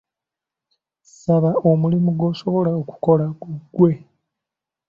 Saba omulimu gw'osobola okukola guggwe.